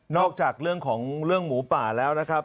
จากเรื่องของเรื่องหมูป่าแล้วนะครับ